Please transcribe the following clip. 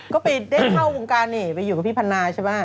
ก็ไปได้เข้าวงการนี่ไปอยู่กับพี่พันนาใช่ไหม